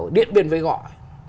điện biên với gọi